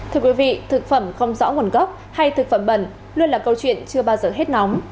thưa quý vị thực phẩm không rõ nguồn gốc hay thực phẩm bẩn luôn là câu chuyện chưa bao giờ hết nóng